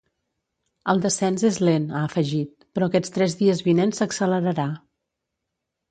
El descens és lent, ha afegit, “però aquests tres dies vinents s’accelerarà”.